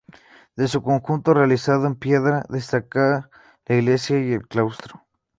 De su conjunto, realizado en piedra, destaca la iglesia y el claustro.